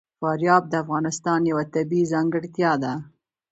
فاریاب د افغانستان یوه طبیعي ځانګړتیا ده.